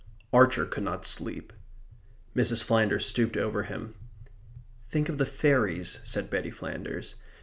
Archer could not sleep. Mrs. Flanders stooped over him. "Think of the fairies," said Betty Flanders.